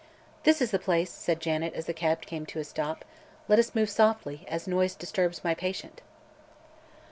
"This is the place," said Janet, as the cab came to a stop. "Let us move softly, as noise disturbs my patient."